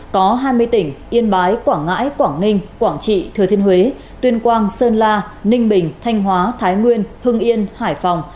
có hai mươi tỉnh yên bái quảng ngãi quảng ninh quảng trị thừa thiên huế tuyên quang sơn la ninh bình thanh hóa thái nguyên hưng yên hải phòng